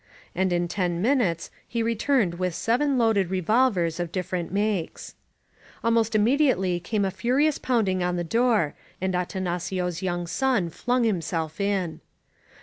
And in ten minutes he returned with seven loaded revol vers of different makes. Almost immediately came a furious poimding on the door, and Atanacio's young son flung himself in.